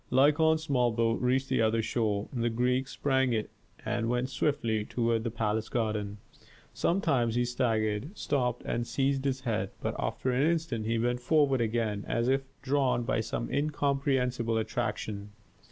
Lykon's small boat reached the other shore. The Greek sprang from it and went swiftly toward the palace garden. Sometimes he staggered, stopped, and seized his head, but after an instant he went forward again, as if drawn by some incomprehensible attraction.